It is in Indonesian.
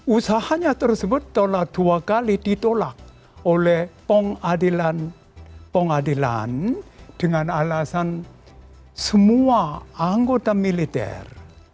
usahanya tersebut telah dua kali ditolak oleh pengadilan pengadilan dengan alasan semua anggota militer